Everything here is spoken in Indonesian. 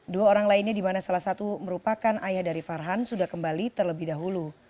dua orang lainnya di mana salah satu merupakan ayah dari farhan sudah kembali terlebih dahulu